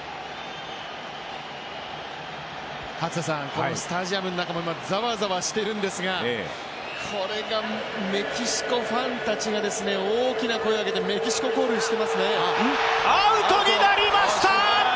このスタジアムの中もざわざわしてるんですがこれがメキシコファンたちが大きな声を上げてアウトになりました！